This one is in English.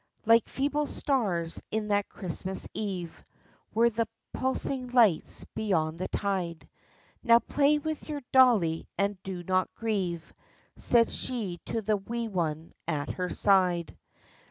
Like feeble stars in that Christmas eve Were the pulsing lights beyond the tide ;" Now play with your dolly and do not grieve," Said she to the wee one at her side.